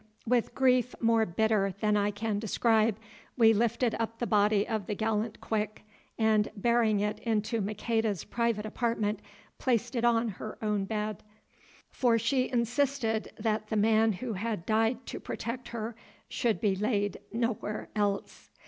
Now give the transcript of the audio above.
With grief more bitter than I can describe we lifted up the body of the gallant Quick and, bearing it into Maqueda's private apartment, placed it on her own bed, for she insisted that the man who had died to protect her should be laid nowhere else.